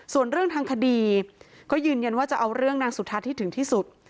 ส่วนเรื่องทางคดีก็ยืนยันว่าจะเอาเรื่องนางสุทัศน์ให้ถึงที่สุด